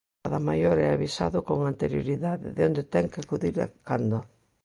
Cada maior é avisado con anterioridade de onde ten que acudir e cando.